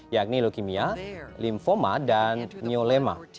yakni leukemia linfoma dan myolema